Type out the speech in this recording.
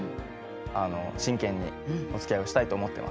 真剣におつきあいをしたいと思ってますと伝えました。